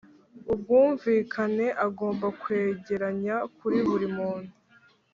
ubwumvikane agomba kwegeranya kuri buri muntu